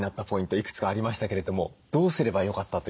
いくつかありましたけれどもどうすればよかったというふうに？